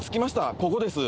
ここです